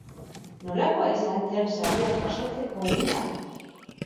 Nolakoa izan zen saria jasotzeko unea?